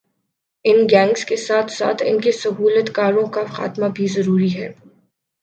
ان gangs کے ساتھ ساتھ انکے سہولت کاروں کا خاتمہ بھی ضروری ہے